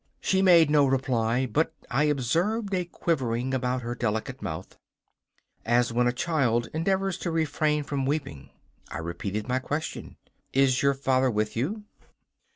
She made no reply, but I observed a quivering about her delicate mouth, as when a child endeavours to refrain from weeping. I repeated my question: 'Is your father with you?